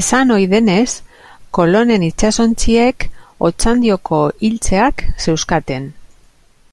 Esan ohi denez, Kolonen itsasontziek Otxandioko iltzeak zeuzkaten.